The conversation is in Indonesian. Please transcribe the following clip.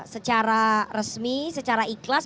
secara resmi secara ikhlas